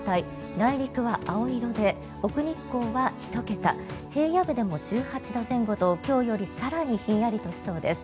内陸は青色で、奥日光は１桁平野部でも１８度前後と今日より更にひんやりとしそうです。